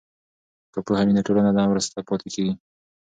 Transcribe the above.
که پوهه وي نو ټولنه نه وروسته پاتې کیږي.